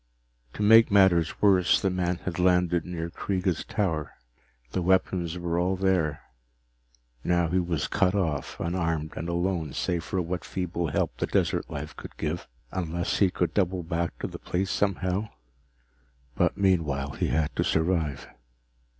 To make matters worse, the man had landed near Kreega's tower. The weapons were all there now he was cut off, unarmed and alone save for what feeble help the desert life could give. Unless he could double back to the place somehow but meanwhile he had to survive.